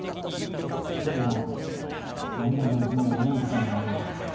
一人が涙を流しながら読んでたのをね